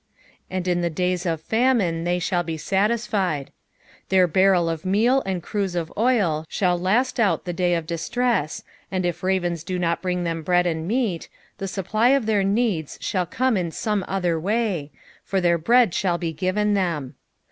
" And in tie dayt of /amine they ihall be taii^ed." Their barrel of meal and cruse of oil shall last out the day of distress, and if ntTeus do uot bring them bread and meat, the supply of their needs shall come in some other way, for their brr^ shall be given them.